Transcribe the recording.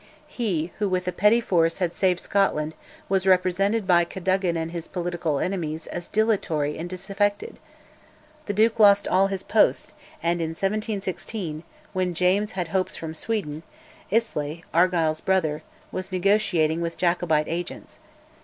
He, who with a petty force had saved Scotland, was represented by Cadogan and by his political enemies as dilatory and disaffected! The Duke lost all his posts, and in 1716 (when James had hopes from Sweden) Islay, Argyll's brother, was negotiating with Jacobite agents.